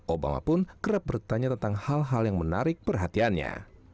obama pun kerap bertanya tentang hal hal yang menarik perhatiannya